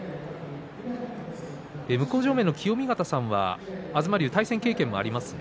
向正面の清見潟さんは東龍とは対戦経験もありますね。